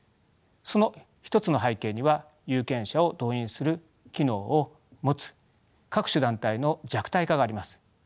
その１つの背景には有権者を動員する機能を持つ各種団体の弱体化があります。